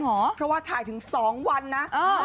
อ๋อเห็นหรอเพราะว่าถ่ายถึงสองวันนะเออ